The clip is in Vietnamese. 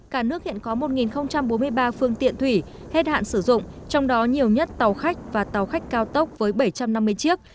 cả nước hiện có một bốn mươi ba phương tiện thủy hết hạn sử dụng trong đó nhiều nhất tàu khách và tàu khách cao tốc với bảy trăm năm mươi chiếc